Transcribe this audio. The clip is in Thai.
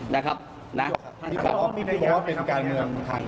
ดูบ่อร์เป็นการเมือง